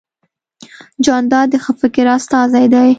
جانداد د ښه فکر استازی دی.